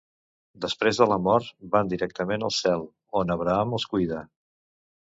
Després de la mort, van directament al cel, on Abraham els cuida.